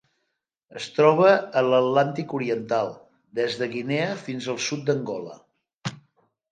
Es troba a l'Atlàntic oriental: des de Guinea fins al sud d'Angola.